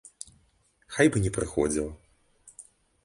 Хай бы не прыходзіла.